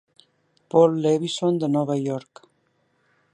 Paul Lewison de Nova York.